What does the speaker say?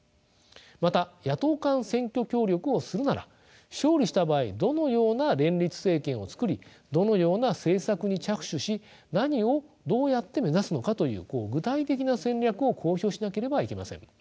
また野党間選挙協力をするなら勝利した場合どのような連立政権を作りどのような政策に着手し何をどうやって目指すのかという具体的な戦略を公表しなければいけません。